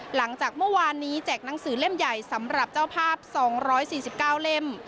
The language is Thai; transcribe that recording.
หลังจากเมื่อวานนี้แจกหนังสือเล่มใหญ่สำหรับเจ้าภาพ๒๔๙เล่ม